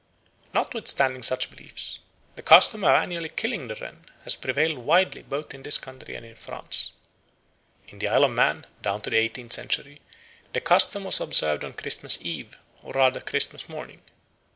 Notwithstanding such beliefs, the custom of annually killing the wren has prevailed widely both in this country and in France. In the Isle of Man down to the eighteenth century the custom was observed on Christmas Eve, or rather Christmas morning.